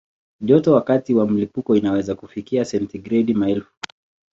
Joto wakati wa mlipuko inaweza kufikia sentigredi maelfu.